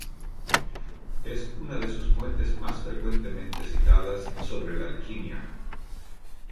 Es una de sus fuentes más frecuentemente citadas sobre la alquimia.